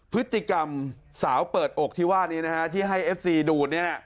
พฤติกรรมสาวเปิดอกที่ว่านี้นะฮะที่ให้เอฟซีดูด